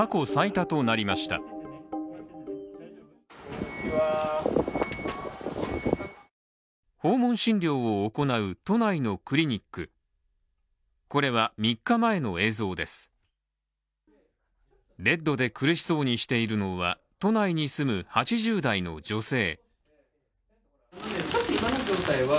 ベッドで苦しそうにしているのは都内に住む８０代の女性。